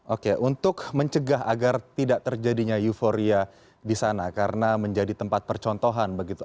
oke untuk mencegah agar tidak terjadinya euforia di sana karena menjadi tempat percontohan begitu